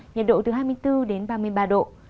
nhiệt độ từ hai mươi bốn đến ba mươi ba độ